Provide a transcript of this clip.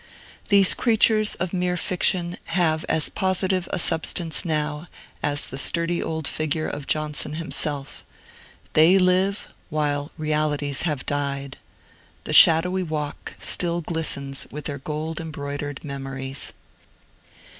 These creatures of mere fiction have as positive a substance now as the sturdy old figure of Johnson himself. They live, while realities have died. The shadowy walk still glistens with their gold embroidered memories.